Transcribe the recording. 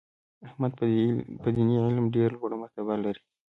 احمد په دیني علم کې ډېره لوړه مرتبه لري.